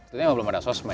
tentunya belum ada sosmed